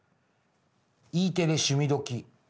「Ｅテレ趣味どきっ！」。